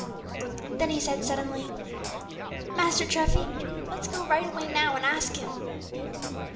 Then he said suddenly, "Master Treffy, let's go right away now and ask Him."